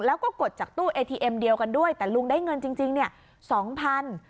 แล้วก็กดจากตู้เอทีเอ็มเดียวกันด้วยแต่ลุงได้เงินจริงเนี่ยสองพัน